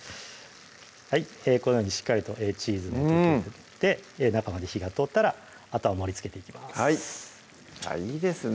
このようにしっかりとチーズが溶けて中まで火が通ったらあとは盛りつけていきますいいですね